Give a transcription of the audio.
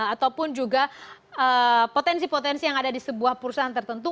ataupun juga potensi potensi yang ada di sebuah perusahaan tertentu